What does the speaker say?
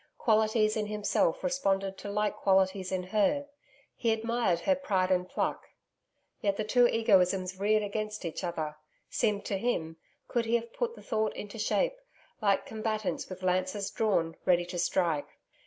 Qualities in himself responded to like qualities in her. He admired her pride and pluck. Yet the two egoisms reared against each other, seemed to him could he have put the thought into shape like combatants with lances drawn ready to strike.